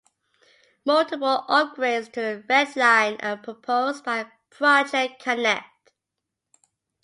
Multiple upgrades to the red line are proposed by Project Connect.